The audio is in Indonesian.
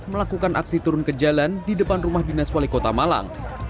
melakukan aksi turun ke jalan di depan rumah dinas wali kota malang